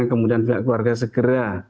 kemudian pihak keluarga segera